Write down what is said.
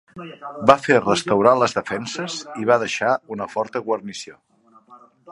Va fer restaurar les defenses i hi va deixar una forta guarnició.